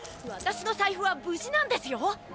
私の財布は無事なんですよ！！